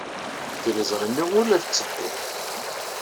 Tiliẓri-nni ur la tetteddu.